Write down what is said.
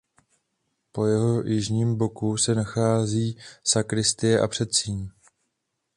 Po jeho jižním boku se nachází sakristie a předsíň.